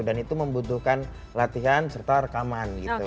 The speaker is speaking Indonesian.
dan itu membutuhkan latihan serta rekaman gitu